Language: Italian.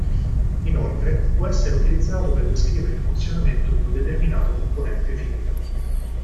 Inoltre può essere utilizzato per descrivere il funzionamento di un determinato componente finito.